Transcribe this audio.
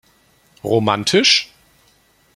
Romantisch?